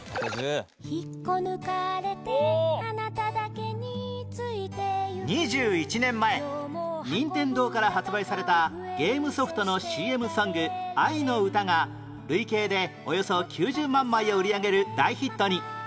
「引っこ抜かれて、あなただけについて行く」２１年前任天堂から発売されたゲームソフトの ＣＭ ソング『愛のうた』が累計でおよそ９０万枚を売り上げる大ヒットに